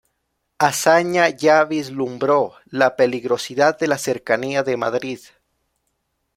Azaña ya vislumbró la "peligrosidad" de la cercanía de Madrid.